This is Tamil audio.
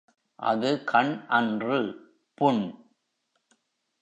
அது கண் அன்று புண்.